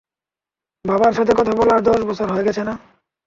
বাবার সাথে কথা বলার দশ বছর হয়ে গেছে।